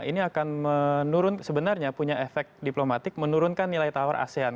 ini akan menurun sebenarnya punya efek diplomatik menurunkan nilai tawar asean